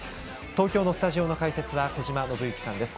東京のスタジオの解説は小島伸幸さんです。